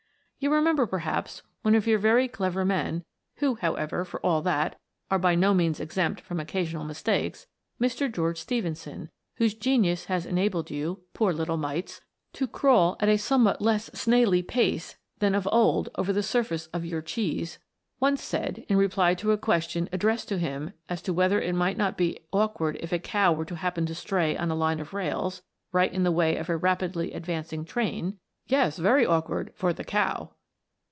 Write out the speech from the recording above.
You re member, perhaps, one of your very clever men who, however, for all that, are by no means exempt from occasional mistakes Mr. George Stephenson, whose genius has enabled you, poor little mites, to crawl at a somewhat less snailly pace than of old over the surface of your cheese, once said, in reply to a question addressed to him as to whether it might not be awkward if a cow were to happen to stray on a line of rails, right in the way of a rapidly advancing train, "Yes, very awkward for the coo!"